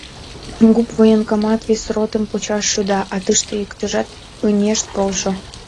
Губвоенкомат вес ротым почаш шӱда, а тыште иктыжат ынешт полшо.